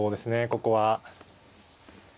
ここは。